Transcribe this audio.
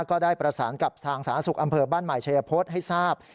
ก็ได้ประสานกับทางสาธารณสุขอำเภอบ้านใหม่ชัยพฤษให้ทราบ